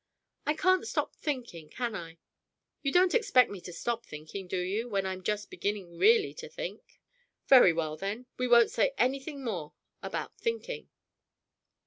"I can't stop thinking, can I? You don't expect me to stop thinking, do you, when I'm just beginning really to think?" "Very well, then, we won't say anything more about thinking."